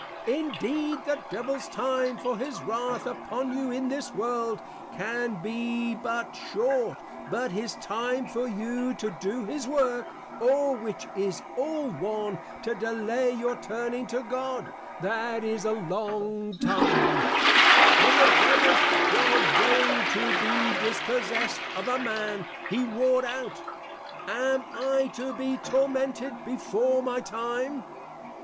Indeed, the Devil's time for his Wrath upon you in this World, can be but short, but his time for you to do his Work, or, which is all one, to delay your turning to God, that is a Long Time. When the Devil was going to be Dispossessed of a Man, he Roar'd out, _Am I to be Tormented before my time?